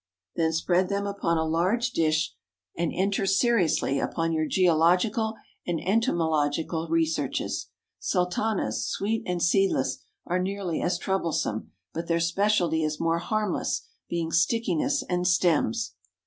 Then spread them upon a large dish, and enter seriously upon your geological and entomological researches. "Sultanas"—sweet and seedless—are nearly as troublesome, but their specialty is more harmless, being stickiness and stems.